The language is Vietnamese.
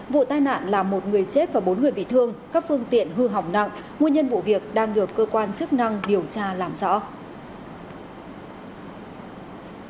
vụ tai nạn là một người chết và bốn người bị thương các phương tiện hư hỏng nặng nguyên nhân vụ việc đang được cơ quan chức năng điều tra làm rõ